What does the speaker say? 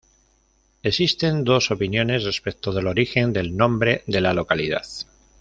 Existen dos opiniones respecto del origen del nombre de la localidad.